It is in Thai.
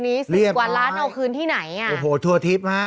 เรียบร้อยโอ้โหทั่วทิพย์ฮะสิบกว่าร้านเอาคืนที่ไหน